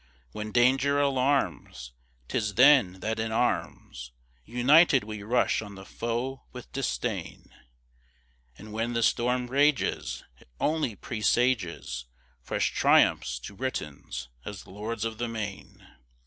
When danger alarms, 'Tis then that in arms United we rush on the foe with disdain; And when the storm rages, It only presages Fresh triumphs to Britons as Lords of the Main!